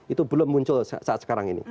itu belum muncul saat sekarang ini